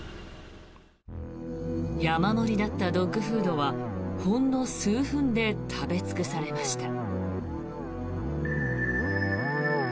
山盛りだったドッグフードはほんの数分で食べ尽くされました。